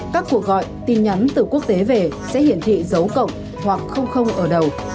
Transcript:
các cuộc gọi tin nhắn từ quốc tế về sẽ hiển thị dấu cộng hoặc ở đầu